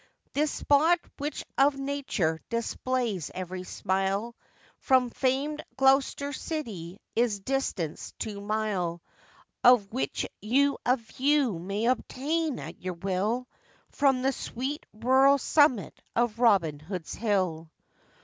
This spot, which of nature displays every smile, From famed Glo'ster city is distanced two mile, Of which you a view may obtain at your will, From the sweet rural summit of 'Robin Hood's Hill.